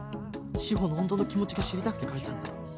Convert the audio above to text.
志法の本当の気持ちが知りたくて書いたんだろ？